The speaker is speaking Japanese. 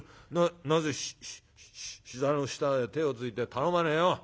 なぜひ膝の下へ手をついて頼まねえよ？